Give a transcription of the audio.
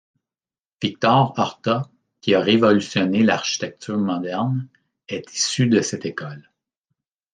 Victor Horta qui a révolutionné l'architecture moderne, est issue de cette école.